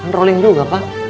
kan rolling dulu gak pak